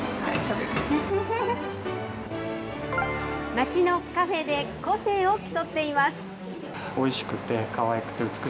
街のカフェで個性を競っています。